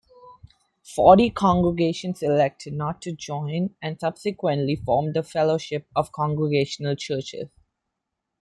Forty congregations elected not to join, and subsequently formed the Fellowship of Congregational Churches.